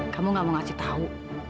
kamu gak mau ngasih tahu